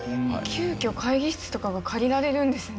急きょ会議室とかが借りられるんですね。